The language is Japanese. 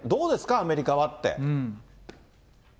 アメリカはって。